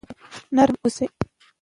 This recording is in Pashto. نرم اوسئ.